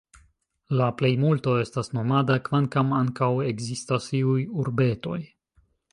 La plejmulto estas nomada, kvankam ankaŭ ekzistas iuj urbetoj.